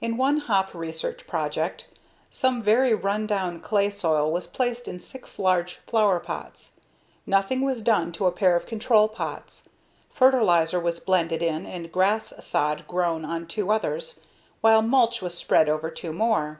In one Hopp research project, some very run down clay soil was placed in six large flowerpots. Nothing was done to a pair of control pots, fertilizer was blended in and grass sod grown on two others, while mulch was spread over two more.